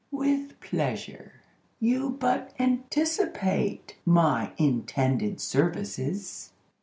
"With pleasure; you but anticipate my intended services."